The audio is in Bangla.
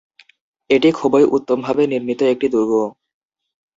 এটি খুবই উত্তম ভাবে নির্মিত একটি দুর্গ।